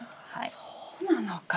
そうなのか。